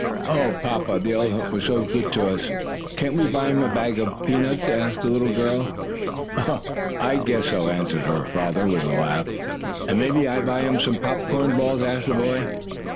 "Oh, papa, the elephant was so good to us, can't we buy him a bag of peanuts?" asked the little girl. "I guess so," answered her papa, with a laugh. "And may I buy him some popcorn balls?" asked the boy.